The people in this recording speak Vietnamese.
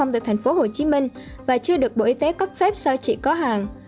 tại tp hcm và chưa được bộ y tế cấp phép sau chị có hàng